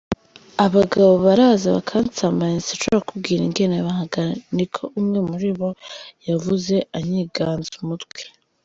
"Abagabo baraza bakansambanya - sinshobora kukubwira ingene bangana," niko umwe muribo yavuze, anyiganza umutwe.